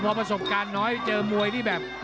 พอประสบการณ์น้อยเจอมวยนี่แบบ